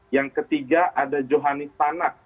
yang ketiga ada johanis tanak